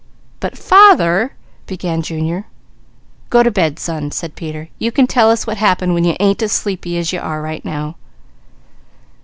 "But father " began Junior. "Go to bed son," said Peter. "You can tell us what happened when you ain't as sleepy as you are right now."